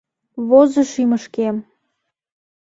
Возо шӱмышкем